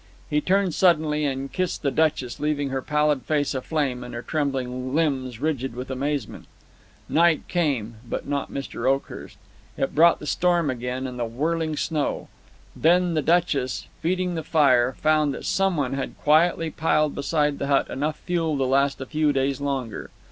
He turned suddenly, and kissed the Duchess, leaving her pallid face aflame and her trembling limbs rigid with amazement. Night came, but not Mr. Oakhurst. It brought the storm again and the whirling snow. Then the Duchess, feeding the fire, found that someone had quietly piled beside the hut enough fuel to last a few days longer.